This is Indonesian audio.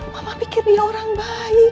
mama pikir dia orang baik